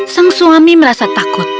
sang suami merasa takut